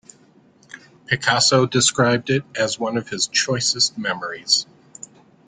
Picasso described it as one of his choicest memories.